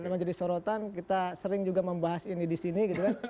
karena menjadi sorotan kita sering juga membahas ini di sini gitu kan